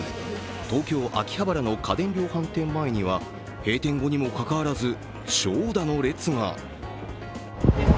東京・秋葉原の家電量販店前には閉店後にもかかわらず長蛇の列が。